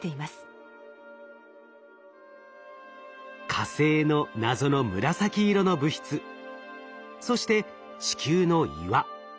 火星の謎の紫色の物質そして地球の岩。